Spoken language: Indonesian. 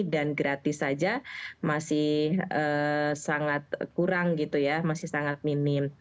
dan gratis saja masih sangat kurang gitu ya masih sangat minim